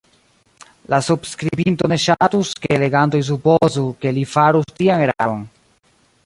La subskribinto ne ŝatus, ke legantoj supozu, ke li farus tian eraron.